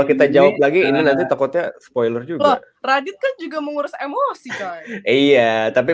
kita jawab lagi ini nanti takutnya spoiler juga radit kan juga mengurus emosi iya tapi